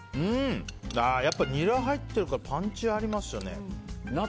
やっぱニラが入ってるからパンチありますよね。